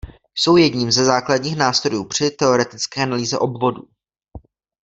Jsou jedním ze základních nástrojů při teoretické analýze obvodů.